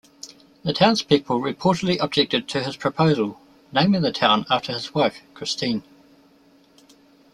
The townspeople reportedly objected to his proposal, naming the town after his wife, Kristine.